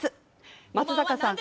松坂さん